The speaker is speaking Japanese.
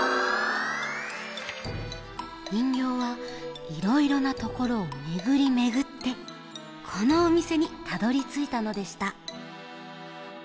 にんぎょうはいろいろなところをめぐりめぐってこのおみせにたどりついたのでした。